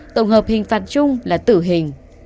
tổng hợp hình phạt chung là tử hình